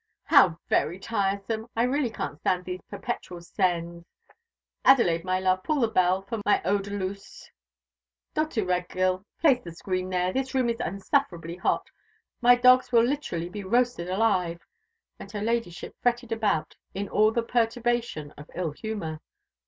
"How very tiresome! I really can't stand these perpetual scènes. Adelaide, my love, pull the bell for my eau de luce. Dr. Redgill, place the screen there. This room is insufferably hot. My dogs will literally be roasted alive;" and her Ladyship fretted about in all the perturbation of ill humour.